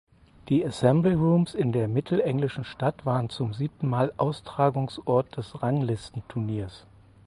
Die "Assembly Rooms" in der mittelenglischen Stadt waren zum siebten Mal Austragungsort des Ranglistenturniers.